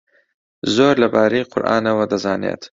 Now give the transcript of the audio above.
زۆر لەبارەی قورئانەوە دەزانێت.